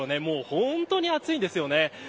本当に暑いんですよね。